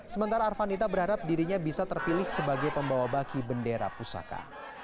sementara arvanita berharap dirinya bisa terpilih sebagai pembawa baki bendera pusaka